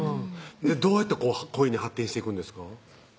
どうやって恋に発展していくんですか？